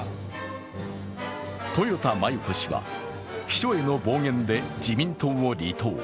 豊田真由子氏は、秘書への暴言で自民党を離党。